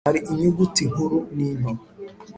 hari inyuguti nkuru n’into;